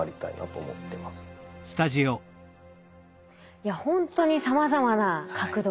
いや本当にさまざまな角度から。